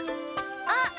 あっ！